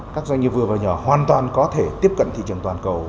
các doanh nghiệp vừa và nhỏ hoàn toàn có thể tiếp cận thị trường toàn cầu